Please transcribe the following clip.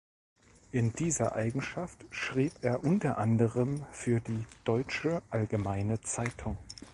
In dieser Eigenschaft schrieb er unter anderem für die "Deutsche Allgemeine Zeitung".